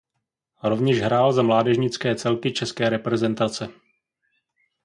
Rovněž hrál za mládežnické celky české reprezentace.